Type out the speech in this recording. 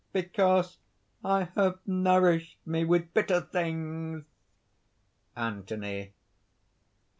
"Because I have nourished me with bitter things!" ANTHONY.